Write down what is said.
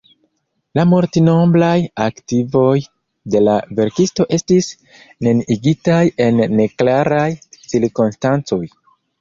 La multnombraj arkivoj de la verkisto estis neniigitaj en neklaraj cirkonstancoj.